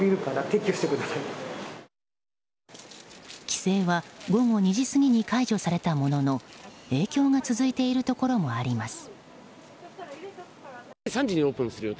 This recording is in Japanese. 規制は午後２時過ぎに解除されたものの影響が続いているところもあります。